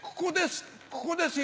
ここです